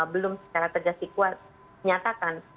belum secara tegas dikuat menyatakan